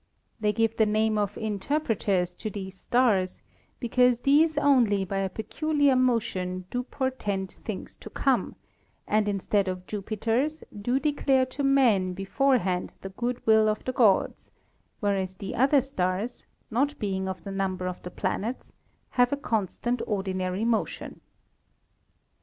They give the name of Interpreters to these Stars, because these only by a peculiar Motion do portend things to come, and instead of Jupiters, do declare to Men beforehand the good will of the gods; whereas the other Stars (not being of the number of the Planets) have a constant ordinary motion.